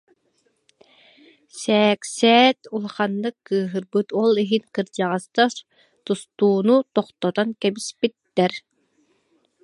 Сээксээт улаханнык кыыһырбыт, ол иһин кырдьаҕастар тустууну тохтотон кэбиспиттэр